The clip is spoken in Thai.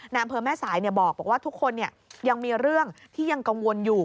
อำเภอแม่สายบอกว่าทุกคนยังมีเรื่องที่ยังกังวลอยู่